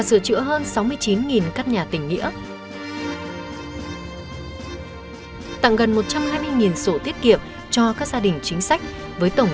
tăng sáu mươi chín căn nhà tình nghĩa tặng gần một trăm hai mươi sổ thiết kiệm cho các gia đình chính sách với tổng